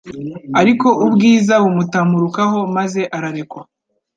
Ariko ubwiza bumutamurukaho, maze ararekwa